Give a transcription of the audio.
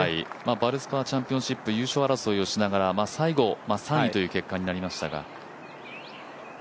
バルスパーチャンピオン、優勝争いをして最後、３位という結果になりましたが。